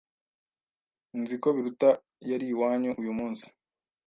Nzi ko Biruta yari iwanyu uyu munsi.